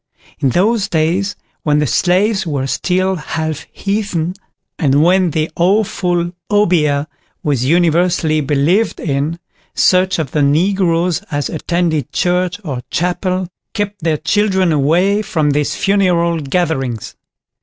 In those days when the slaves were still half heathen, and when the awful Obeah was universally believed in, such of the Negroes as attended church or chapel kept their children away from these funeral gatherings.